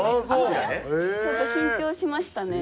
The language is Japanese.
ちょっと緊張しましたね。